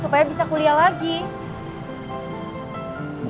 lo masih tetap mau ngambil double job